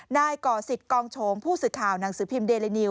ก่อสิทธิ์กองโฉมผู้สื่อข่าวหนังสือพิมพ์เดลินิว